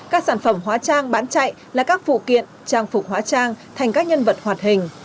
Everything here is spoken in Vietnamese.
các sản phẩm hóa trang bán chạy là các phụ kiện trang phục hóa trang thành các nhân vật hoạt hình